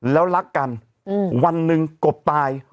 แล้วรักกันวันหนึ่งกบตาย